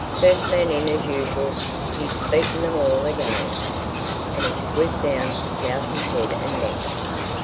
First man in as usual! He'd beaten them all again. And he swooped down to souse his head and neck.